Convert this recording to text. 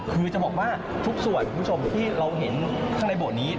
คือจะบอกว่าทุกส่วนคุณผู้ชมที่เราเห็นข้างในโบสถ์นี้